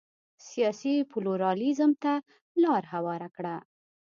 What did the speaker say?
سیاسي پلورالېزم ته لار هواره کړه.